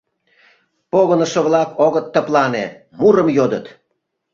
Погынышо-влак огыт тыплане, мурым йодыт.